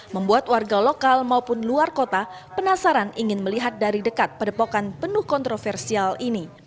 membuat warga lokal maupun luar kota penasaran ingin melihat dari dekat padepokan penuh kontroversial ini